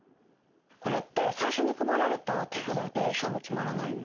これって最初に配られた手札で勝負決まらないの？